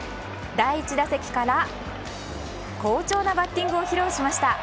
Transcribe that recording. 第１打席から好調なバッティングを披露しました。